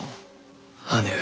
姉上。